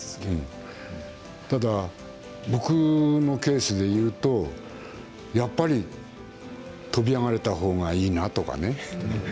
ただ、僕のケースでいうとやっぱり飛び上がれたほうがいいなとかね